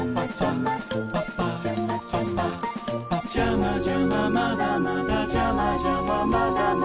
「ジャマジャマまだまだジャマジャマまだまだ」